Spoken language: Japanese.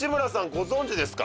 ご存じですか？